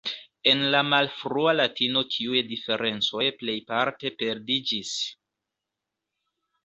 En la malfrua latino tiuj diferencoj plejparte perdiĝis.